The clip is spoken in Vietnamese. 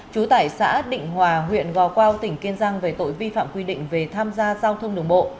chú tải xã định hòa huyện gò quao tỉnh kiên giang về tội vi phạm quy định về tham gia giao thương đường bộ